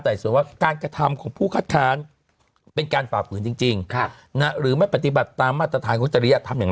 แต่สมมุติว่าการกระทำของผู้คัดฐานเป็นการฝากผลจริงจริงค่ะนะหรือไม่ปฏิบัติตามมาตรฐานของจริยธรรมอย่าง